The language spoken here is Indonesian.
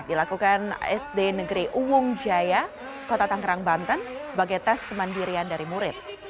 dilakukan sd negeri uwung jaya kota tangerang banten sebagai tes kemandirian dari murid